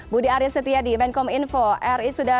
budi arief setiadi menkom info ri